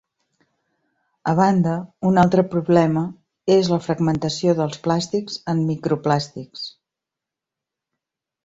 A banda, un altre problema és la fragmentació dels plàstics en microplàstics.